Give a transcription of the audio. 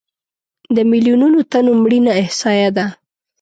د میلیونونو تنو مړینه احصایه ده.